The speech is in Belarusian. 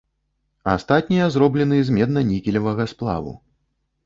Астатнія зроблены з медна-нікелевага сплаву.